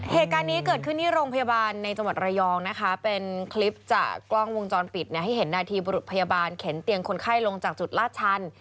เหตุการณ์นี้เกิดขึ้นที่โรงพยาบาลในจังหวัดระยองนะคะเป็นคลิปจากกล้องวงจรปิดเนี่ยให้เห็นนาทีบุรุษพยาบาลเข็นเตียงคนไข้ลงจากจุดลาดชัน